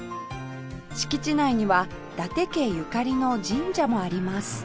敷地内には伊達家ゆかりの神社もあります